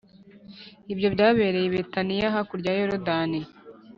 Ibyo byabereye i Betaniya hakurya ya Yorodani